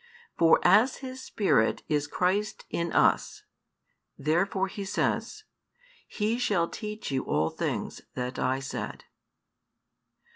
For as His Spirit is Christ in us, therefore He says, He shall teach you all things that I said.